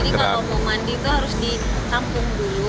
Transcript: jadi kalau mau mandi tuh harus ditampung dulu